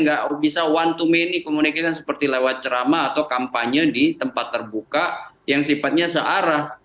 nggak bisa one to many communication seperti lewat ceramah atau kampanye di tempat terbuka yang sifatnya searah